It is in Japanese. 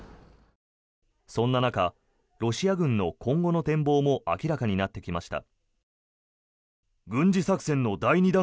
そんな中ロシア軍の今後の展望も明らかになってきました。